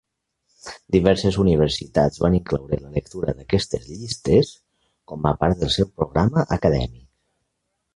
Diverses universitats van incloure la lectura d'aquestes llistes com a part del seu programa acadèmic.